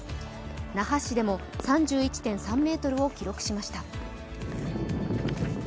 那覇市でも３１．３メートルを記録しました。